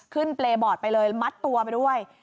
เปรย์บอร์ดไปเลยมัดตัวไปด้วย